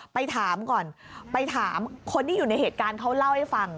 ไปถามก่อนไปถามคนที่อยู่ในเหตุการณ์เขาเล่าให้ฟัง